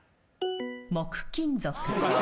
木金属。